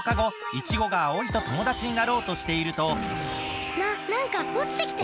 イチゴがアオイとともだちになろうとしているとななんかおちてきたよ。